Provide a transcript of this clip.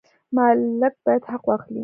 مالک باید حق واخلي.